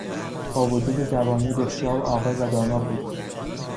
با وجود جوانی بسیار عاقل و دانا بود.